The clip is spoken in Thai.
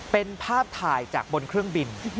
เป็นภาพถ่ายจากบนเครื่องบิน